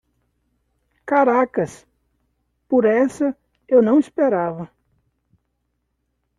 Caracas! Por essa, eu não esperava!